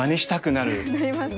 なりますね。